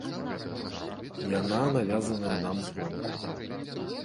Яна навязаная нам звонку.